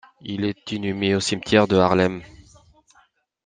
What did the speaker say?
Il est inhumé au cimetière de Haarlem.